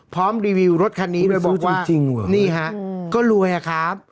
พร้อมรีวิวรถคันนี้แล้วบอกว่านี่ฮะก็รวยอ่ะครับ